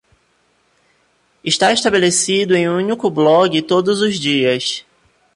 Está estabelecido em um único blog todos os dias.